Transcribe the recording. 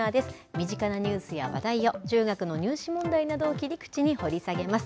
身近なニュースや話題を、中学の入試問題などを切り口に掘り下げます。